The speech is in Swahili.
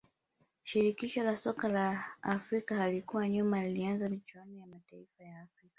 shirikisho la soka la afrika halikuwa nyuma likaanzisha michuano ya mataifa ya afrika